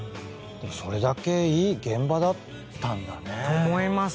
それだけいい現場だったんだね。と思います。